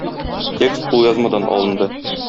Текст кулъязмадан алынды.